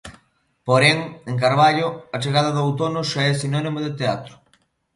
Porén, en Carballo, a chegada do outono xa é sinónimo de teatro.